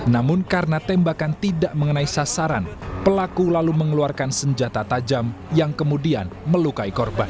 namun karena tembakan tidak mengenai sasaran pelaku lalu mengeluarkan senjata tajam yang kemudian melukai korban